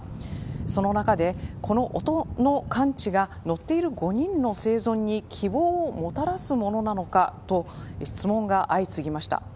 その中で、この音の感知が乗っている５人の生存に希望をもたらすものなのかと質問が相次ぎました。